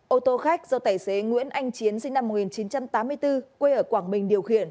ô tô khách do tài xế nguyễn anh chiến sinh năm một nghìn chín trăm tám mươi bốn quê ở quảng bình điều khiển